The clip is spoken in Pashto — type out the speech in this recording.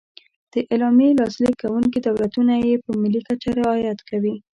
د اعلامیې لاسلیک کوونکي دولتونه یې په ملي کچه رعایت کوي.